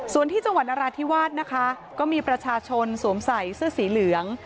ส่วนที่จังหวัดนราธิวาสนะคะก็มีประชาชนสวมใส่เสื้อสีเหลือง